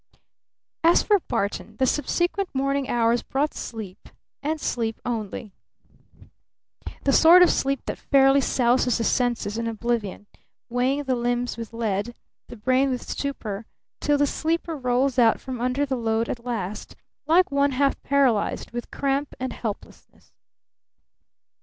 As for Barton, the subsequent morning hours brought sleep and sleep only the sort of sleep that fairly souses the senses in oblivion, weighing the limbs with lead, the brain with stupor, till the sleeper rolls out from under the load at last like one half paralyzed with cramp and helplessness.